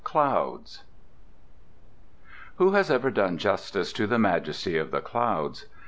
CLOUDS Who has ever done justice to the majesty of the clouds?